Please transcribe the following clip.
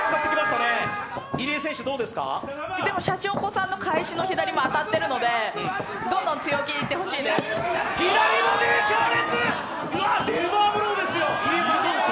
シャチホコさんの最初も決まっているのでどんどん強気にいってほしいです。